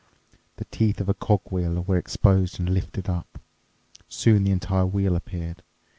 The teeth of a cog wheel were exposed and lifted up. Soon the entire wheel appeared.